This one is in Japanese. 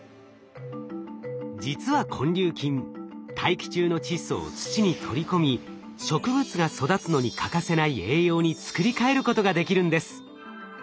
実は根粒菌大気中の窒素を土に取り込み植物が育つのに欠かせない栄養に作り変えることができるんです。